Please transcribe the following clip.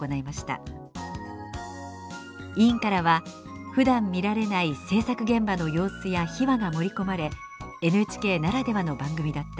委員からは「ふだん見られない制作現場の様子や秘話が盛り込まれＮＨＫならではの番組だった」